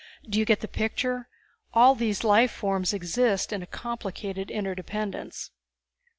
Do you get the picture? All these life forms exist in a complicated interdependence."